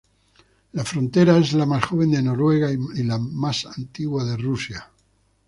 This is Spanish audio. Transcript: La frontera es la más joven de Noruega y la más antigua de Rusia.